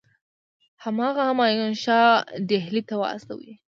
هغه همایون شاه ډهلي ته واستوي.